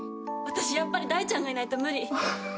私やっぱり大ちゃんがいないと無理。